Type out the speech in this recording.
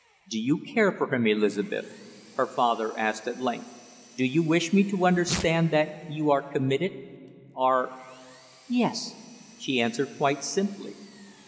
"Do you care for him, Elizabeth?" her father asked at length. "Do you wish me to understand that you are committed are " "Yes," she answered quite simply.